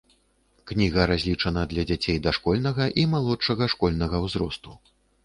Кніга разлічана для дзяцей дашкольнага і малодшага школьнага ўзросту.